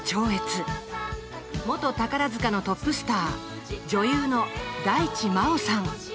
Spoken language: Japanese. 元宝塚のトップスター女優の大地真央さん。